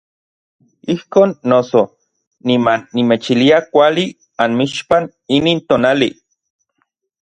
Ijkon noso, niman nimechilia kuali anmixpan inin tonali.